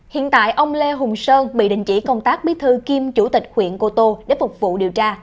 hiện tại ông lê hùng sơn bị đình chỉ công tác bí thư kiêm chủ tịch huyện cô tô để phục vụ điều tra